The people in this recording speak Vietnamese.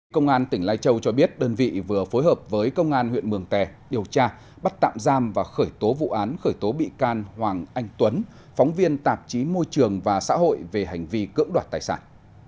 công an tỉnh lai châu cho biết đơn vị vừa phối hợp với công an huyện mường tè điều tra bắt tạm giam và khởi tố vụ án khởi tố bị can hoàng anh tuấn phóng viên tạp chí môi trường và xã hội về hành vi cưỡng đoạt tài sản